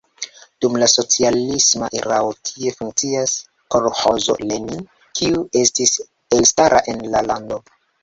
Dum la socialisma erao tie funkciis kolĥozo Lenin, kiu estis elstara en la lando.